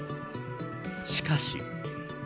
しかし。